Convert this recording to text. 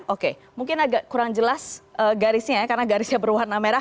oke mungkin agak kurang jelas garisnya ya karena garisnya berwarna merah